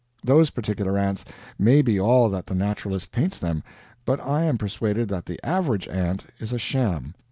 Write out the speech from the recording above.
Those particular ants may be all that the naturalist paints them, but I am persuaded that the average ant is a sham.